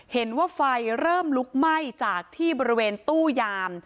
เห็นว่าไฟเริ่มลุกไหม้จากที่บริเวณตู้ยาม